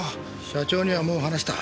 社長にはもう話した。